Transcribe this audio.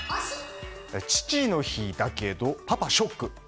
父の日だけどパパショック。